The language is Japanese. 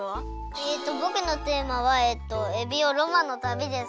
えっとぼくのテーマはエビオロマンのたびです。